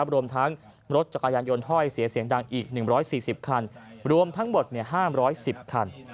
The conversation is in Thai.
รวมทั้งรถจักรยานยนต์ห้อยเสียเสียงดังอีก๑๔๐คันรวมทั้งหมด๕๑๐คัน